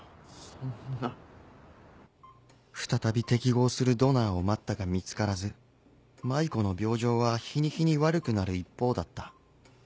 そんな再び適合するドナーを待ったが見つからず麻衣子の病状は日に日に悪くなる一方だった。